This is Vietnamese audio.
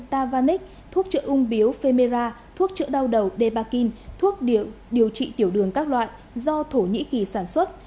tavanic thuốc trợ ung biếu femera thuốc trợ đau đầu debakin thuốc điều trị tiểu đường các loại do thổ nhĩ kỳ sản xuất